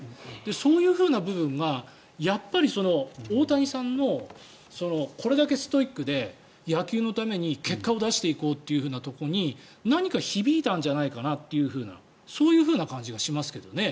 そういう部分がやっぱり大谷さんのこれだけストイックで野球のために結果を出していこうというところに何か響いたんじゃないかなとそういう感じがしますけどね。